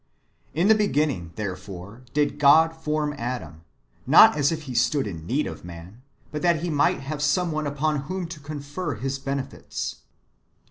In the beginning, therefore, did God form Adam, not as if He stood in need of man, but that He might have [some one] upon whom to confer His benefits.